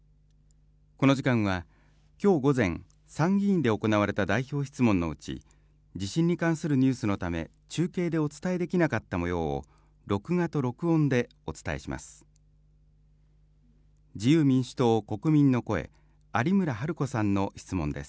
この時間はきょう午前、参議院で行われた代表質問のうち、地震に関するニュースのため、中継でお伝えできなかったもようを録画と録音でお伝えします。